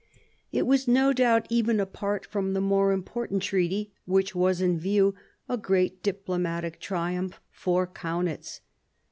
It was no doubt, even apart from the more important treaty which was in view, a great diplomatic triumph for Kaunitz.